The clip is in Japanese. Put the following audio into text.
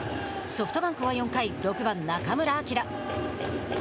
ソフトバンクは４回、６番中村晃。